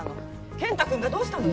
健太君がどうしたのよ？